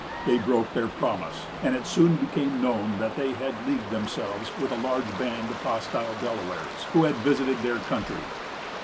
They broke their promise; and it soon became known that they had leagued themselves with a large band of hostile Delawares, who had visited their country.